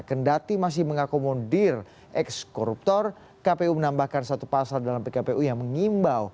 kendati masih mengakomodir ex koruptor kpu menambahkan satu pasal dalam pkpu yang mengimbau